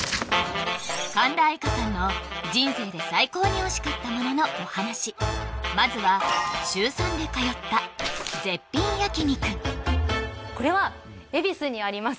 神田愛花さんの人生で最高においしかったもののお話まずはこれは恵比寿にあります